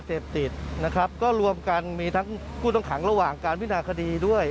ส่วนใหญ่แล้วเป็นคดียาเสพติดนะครับก็รวมกันมีทั้งผู้ต้องขังระหว่างการพินาคคดีด้วย